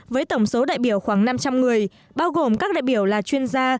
với tổng số đại biểu khoảng năm trăm linh người bao gồm các đại biểu là chuyên gia